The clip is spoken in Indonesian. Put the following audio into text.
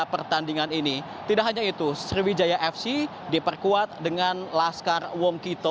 pertandingan ini tidak hanya itu sriwijaya fc diperkuat dengan laskar wongkito